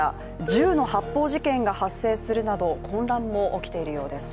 銃の発砲事件が発生するなど混乱も起きているようです。